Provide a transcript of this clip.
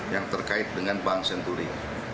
yang terkait dengan bank senturi